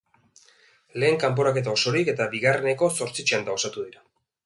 Lehen kanporaketa osorik eta bigarreneko zortzi txanda osatu dira.